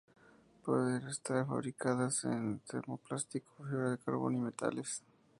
Pueden estar fabricadas de termoplástico, fibra de carbono y metales.